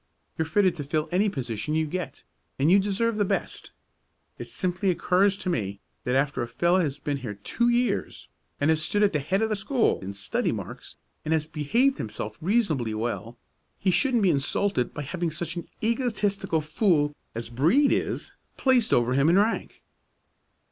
You're fitted to fill any position you get, and you deserve the best. It simply occurs to me that after a fellow has been here two years, and has stood at the head of the school in study marks, and has behaved himself reasonably well, he shouldn't be insulted by having such an egotistical fool as Brede is placed over him in rank."